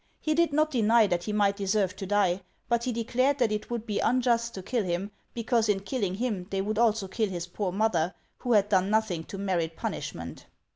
He did not deny that he might deserve to die ; but he declared that it would be unjust to kill him, because in killing him they would also kill his poor mother, who had done nothing to merit punishment.